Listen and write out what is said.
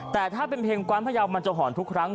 แต่ถ้าเป็นเพลงกว้านพยาวมันจะหอนทุกครั้ง